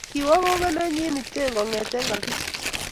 kiwo gogonenyi Iten kongete kagisich